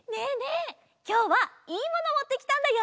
きょうはいいものもってきたんだよ！